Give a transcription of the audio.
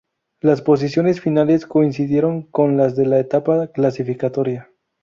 Las posiciones finales coincidieron con las de la etapa clasificatoria.